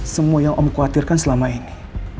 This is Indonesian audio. semua yang om khawatirkan selama ini